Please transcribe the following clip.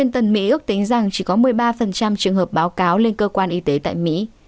tân mỹ ước tính rằng chỉ có một mươi ba trường hợp báo cáo lên cơ quan y tế tại mỹ